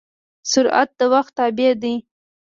سرعت د وخت تابع دی.